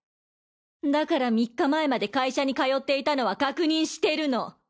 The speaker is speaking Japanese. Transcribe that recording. だから３日前まで会社に通っていたのは確認してるの！